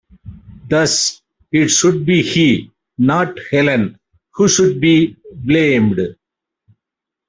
Thus, it should be he, not Helen, who should be blamed.